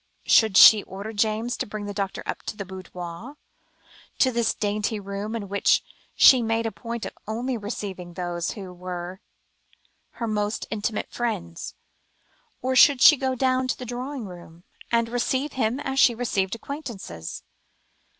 Should she order James to bring the doctor up to the boudoir to this dainty room in which she made a point of only receiving those who were her most intimate friends? Or should she go down to the drawing room, and receive him as she received acquaintances?